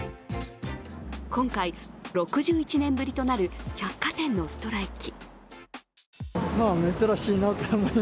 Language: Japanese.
今回、６１年ぶりとなる百貨店のストライキ。